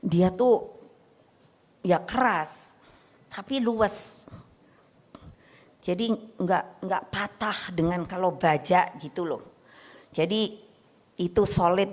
dia tuh ya keras tapi luas jadi enggak enggak patah dengan kalau baja gitu loh jadi itu solid